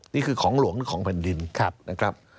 นี่คือของหลวงหรือของแผ่นดินนะครับ